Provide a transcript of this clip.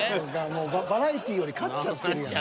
もうバラエティーより勝っちゃってるやん。